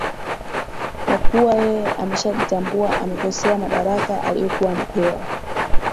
kwa kuwa yeye ameshajitambua amekosea madaraka aliokuwa amepewa